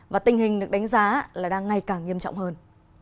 và tình hình được đánh giá là đang ngày càng nghiêm trọng hơn